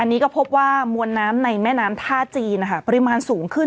อันนี้ก็พบว่ามวลน้ำในแม่น้ำท่าจีนนะคะปริมาณสูงขึ้น